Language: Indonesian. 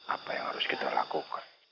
apa yang harus kita lakukan